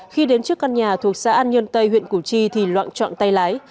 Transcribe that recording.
khi đến trước căn nhà thuộc xã an nhân tây huyện củ chi thì loạn trọn tay lái